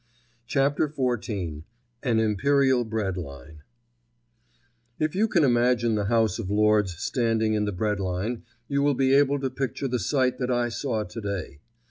CHAPTER XIV—AN IMPERIAL BREAD LINE If you can imagine the House of Lords standing in the bread line, you will be able to picture the sight that I saw today.